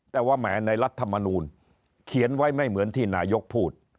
แต่ว่าแหมในรัฐมนูลเขียนไว้ไม่เหมือนที่นายกพูด